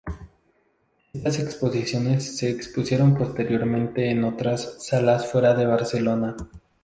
Estas exposiciones se expusieron posteriormente en otras salas fuera de Barcelona.